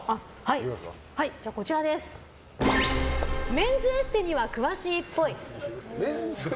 メンズエステには詳しいっぽい。